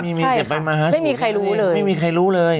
ไม่มีใครรู้เลย